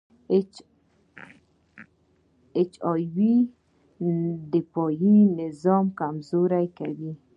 د اچ آی وي دفاعي نظام کمزوری کوي.